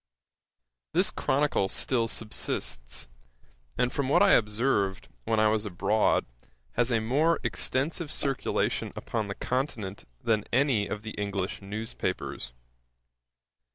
This Chronicle still subsists, and from what I observed, when I was abroad, has a more extensive circulation upon the Continent than any of the English newspapers.